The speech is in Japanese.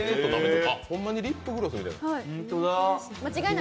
ホンマにリップグロスみたい。